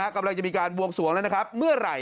กำลังจะมีการบวงสวงแล้วนะครับเมื่อไหร่